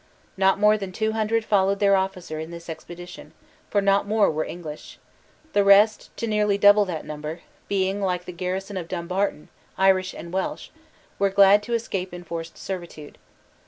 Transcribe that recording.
Not more than two hundred followed their officer in this expedition, for not more were English; the rest, to nearly double that number, being, like the garrison of Dumbarton, Irish and Welsh, were glad to escape enforced servitude.